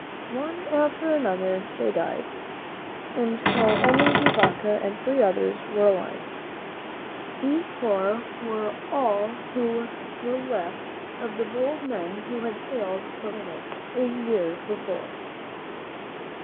One after another they died, until only De Vaca and three others were alive. These four were all who were left of the bold men who had sailed for Florida a year before.